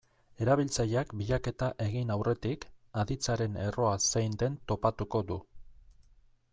Erabiltzaileak bilaketa egin aurretik, aditzaren erroa zein den topatuko du.